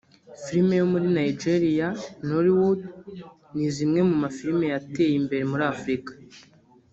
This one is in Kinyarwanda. Filime yo muri Nigeria (Nollywood) ni zimwe mu mafilime yateye imbere muri Afurika